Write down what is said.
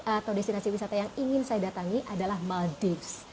atau destinasi wisata yang ingin saya datangi adalah maldives